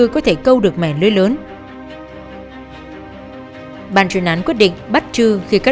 quá trình điều tra